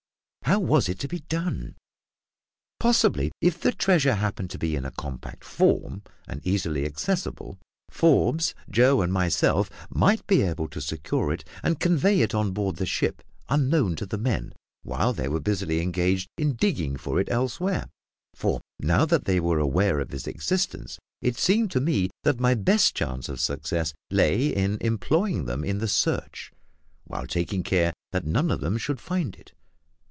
How was it to be done? Possibly, if the treasure happened to be in a compact form, and easily accessible, Forbes, Joe, and myself might be able to secure it and convey it on board the ship, unknown to the men, while they were busily engaged in digging for it elsewhere for, now that they were aware of its existence, it seemed to me that my best chance of success lay in employing them in the search, while taking care that none of them should find it.